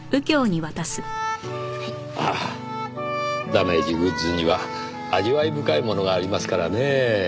ああダメージグッズには味わい深いものがありますからねぇ。